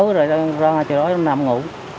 ở đó rồi ra ngoài chợ đó làm ngủ